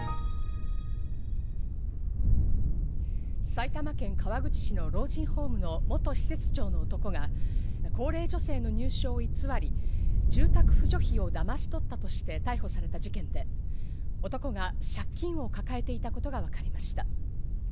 埼玉県川口市の老人ホームの元施設長の男が高齢女性の入所を偽り、住宅扶助費をだまし取ったとして逮捕された事件で、男が借金を抱えていたことがわかりました。